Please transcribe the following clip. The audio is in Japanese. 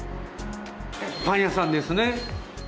パン屋さんですね。